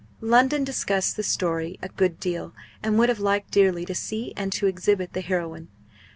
London discussed the story a good deal; and would have liked dearly to see and to exhibit the heroine.